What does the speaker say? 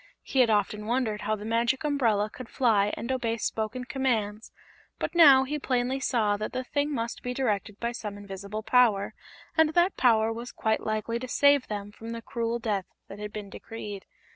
He had often wondered how the Magic Umbrella could fly and obey spoken commands, but now he plainly saw that the thing must be directed by some invisible power, and that power was quite likely to save them from the cruel death that had been decreed.